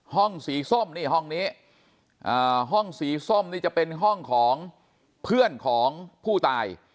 ห้องสีส้มนี่ห้องนี้ห้องสีส้มนี่จะเป็นห้องของเพื่อนของผู้ตาย